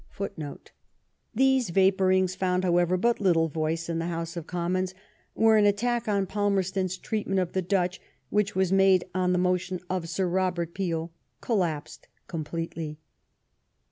* These vapour ings founds howeyer, but little voice in the House of Commons, where an attack on Palmerston's treatment of the Dutch, which was made on the motion of Sir Robert Peel, collapsed completely.